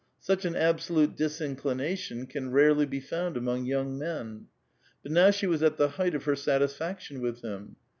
Such an absolute disinclination can rarely be found among young men. But now she was at the height of her satisfaction with him.